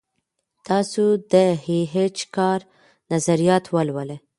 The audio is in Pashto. تاسو د ای اېچ کار نظریات ولولئ.